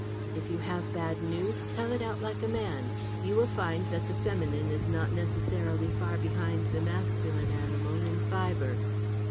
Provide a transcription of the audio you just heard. If you have bad news, tell it out like a man! You will find that the feminine is not necessarily far behind the masculine animal in fibre."